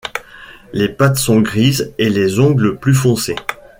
Les pattes sont grises et les ongles plus foncés.